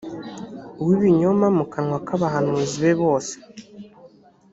w ibinyoma mu kanwa k abahanuzi be bose